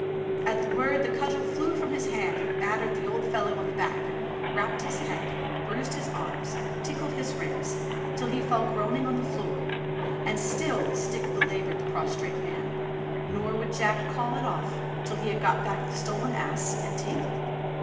At the word the cudgel flew from his hand and battered the old fellow on the back, rapped his head, bruised his arms, tickled his ribs, till he fell groaning on the floor; and still the stick belaboured the prostrate man^ nor would Jack call 3SO ENGLISH FAIRY TALES it off till he had got back the stolen ass and table.